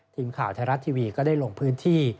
ทีมข่าวไทยรัฐทีวีก็ได้ลงพื้นที่